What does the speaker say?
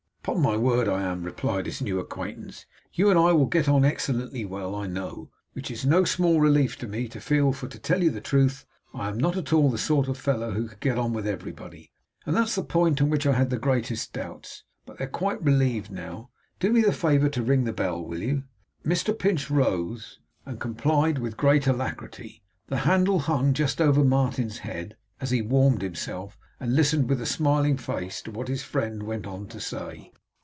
'Upon my word I am,' replied his new acquaintance. 'You and I will get on excellently well, I know; which it's no small relief to me to feel, for to tell you the truth, I am not at all the sort of fellow who could get on with everybody, and that's the point on which I had the greatest doubts. But they're quite relieved now. Do me the favour to ring the bell, will you?' Mr Pinch rose, and complied with great alacrity the handle hung just over Martin's head, as he warmed himself and listened with a smiling face to what his friend went on to say.